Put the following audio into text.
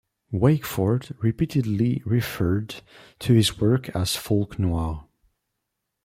Wakeford repeatedly referred to his work as folk noir.